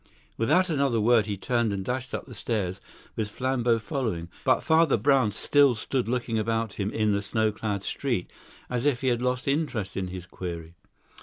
Without another word he turned and dashed up the stairs, with Flambeau following; but Father Brown still stood looking about him in the snow clad street as if he had lost interest in his query.